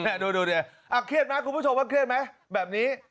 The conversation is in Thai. เอ่อดูดูดิอ้ะเครียดนะคุณผู้ชมอ่ะเครียดมั้ยแบบนี้